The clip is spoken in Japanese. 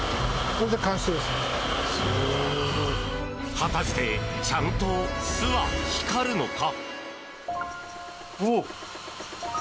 果たしてちゃんと「ス」は光るのか？